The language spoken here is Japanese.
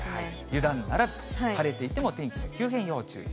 油断ならず、晴れていても天気の急変に要注意。